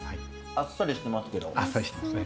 あっさりしてますね。